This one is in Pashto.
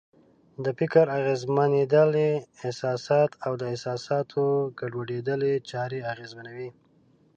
د فکر اغېزمنېدل یې احساسات او د احساساتو ګډوډېدل یې چارې اغېزمنوي.